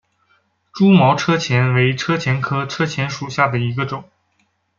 蛛毛车前为车前科车前属下的一个种。